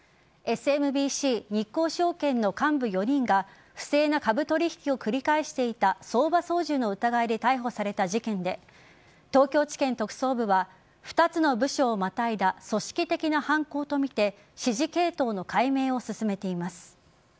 ＳＭＢＣ日興証券の幹部４人が不正な株取引を繰り返していた相場操縦の疑いで逮捕された事件で東京地検特捜部は２つの部署をまたいだ組織的な犯行とみて指示系統の解明を進めています。